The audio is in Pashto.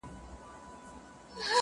کلی رخصت اخلي ه ښاريه ماتېږي